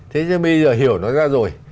thế bây giờ hiểu nó ra rồi